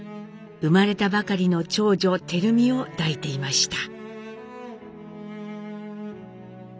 生まれたばかりの長女照美を抱いていました。